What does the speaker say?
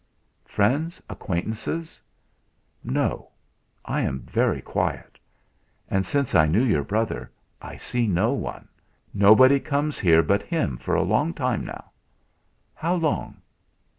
"Friends, acquaintances?" "No; I am very quiet. And since I knew your brother, I see no one. Nobody comes here but him for a long time now." "How long?"